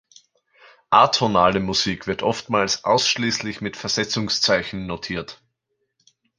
Atonale Musik wird oftmals ausschließlich mit Versetzungszeichen notiert.